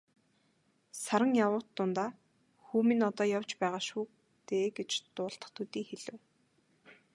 Саран явуут дундаа "Хүү минь одоо явж байгаа шүү дээ" гэж дуулдах төдий хэлэв.